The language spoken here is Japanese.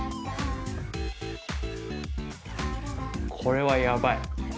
これはやばい。